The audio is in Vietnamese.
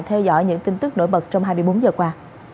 theo dõi những tin tức nổi bật trong hai mươi bốn giờ qua